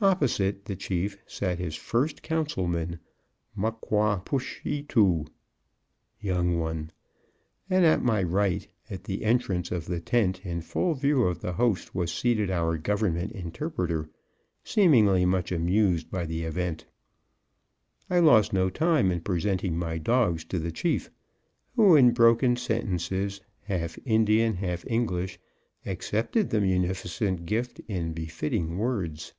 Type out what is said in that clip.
Opposite the chief sat his first councilman, Muck qua push e too (young one), and at my right, at the entrance of the tent in full view of the host was seated our Government interpreter, seemingly much amused by the event. I lost no time in presenting my dogs to the chief, who in broken sentences, half Indian, half English, accepted the munificent gift in befitting words.